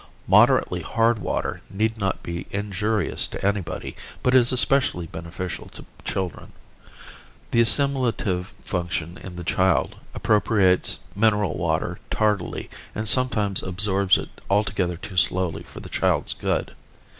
Moderately hard water need not be injurious to anybody, but is especially beneficial to children. The assimilative function in the child appropriates mineral water tardily and sometimes absorbs it altogether too slowly for the child's good.